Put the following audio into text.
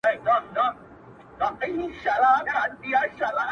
په خوب وینم چي زامن مي وژل کیږي٫